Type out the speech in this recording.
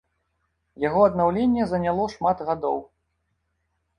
Яго аднаўленне заняло шмат гадоў.